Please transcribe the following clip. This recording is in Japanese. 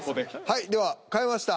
はいでは変えました？